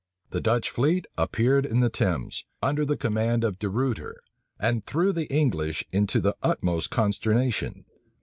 The Dutch fleet appeared in the Thames, under the command of De Ruyter, and threw the English into the utmost consternation.